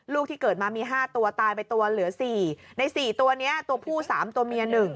ลูกที่เกิดมามีห้าตัวตายไปตัวเหลือสี่ในสี่ตัวเนี้ยตัวผู้สามตัวเมียหนึ่ง